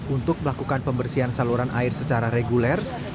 untuk melakukan pembersihan saluran air secara reguler